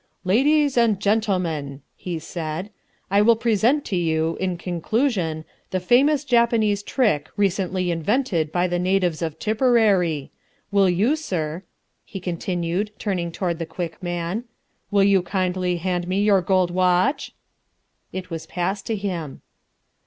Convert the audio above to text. "Ladies and gentlemen," he said, "I will present to you, in conclusion, the famous Japanese trick recently invented by the natives of Tipperary. Will you, sir," he continued turning toward the Quick Man, "will you kindly hand me your gold watch?" It was passed to him.